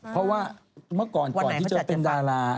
เพราะว่าเมื่อก่อนก่อนที่จะเป็นดารา